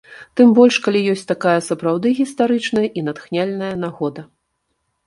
Тым больш калі ёсць такая сапраўды гістарычная і натхняльная нагода!